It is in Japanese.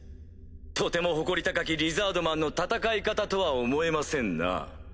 とても誇り高きリザードマンの戦い方とは思えませんな。